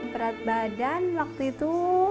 berat badan waktu itu